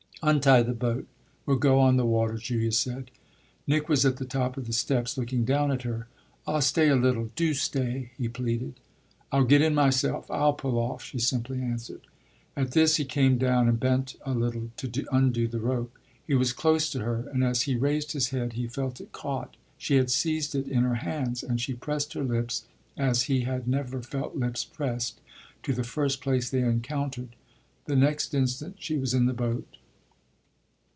"Untie the boat; we'll go on the water," Julia said. Nick was at the top of the steps, looking down at her. "Ah stay a little do stay!" he pleaded. "I'll get in myself, I'll pull off," she simply answered. At this he came down and bent a little to undo the rope. He was close to her and as he raised his head he felt it caught; she had seized it in her hands and she pressed her lips, as he had never felt lips pressed, to the first place they encountered. The next instant she was in the boat.